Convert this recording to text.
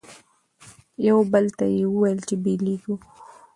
یوه بل ته یې ویله چي بیلیږو